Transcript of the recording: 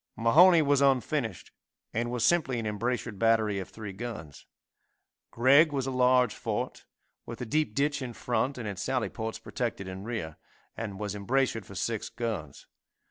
Mahone was unfinished, and was simply an embrasured battery of three guns. Gregg was a large fort, with a deep ditch in front, and its sally ports protected in rear, and was embrasured for six guns.